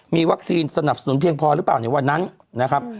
มีวัคซีนสนับสนุนเพียงพอหรือเปล่าในวันนั้นนะครับ